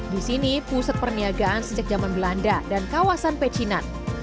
di sini pusat perniagaan sejak zaman belanda dan kawasan pecinan